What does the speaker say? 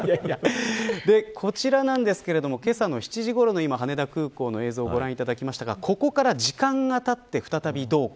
こちらなんですがけさの７時ごろの羽田空港の映像ご覧いただきましたがここから時間がたって再びどうか。